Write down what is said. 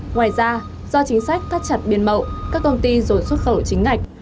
ngoài ra do chính sách tắt chặt biên mậu các công ty dồn xuất khẩu chính ngạch